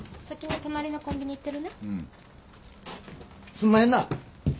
すんまへんな。